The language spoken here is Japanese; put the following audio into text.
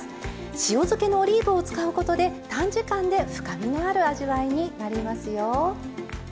塩漬けのオリーブを使うことで短時間で深みのある味わいになりますよ。